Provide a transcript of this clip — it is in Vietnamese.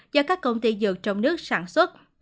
do các công ty dược trong nước sản xuất